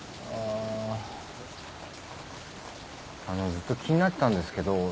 あのずっと気になってたんですけど